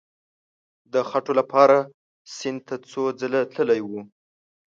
د خټو لپاره سیند ته څو ځله تللی وو.